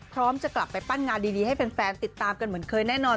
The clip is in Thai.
จะกลับไปปั้นงานดีให้แฟนติดตามกันเหมือนเคยแน่นอน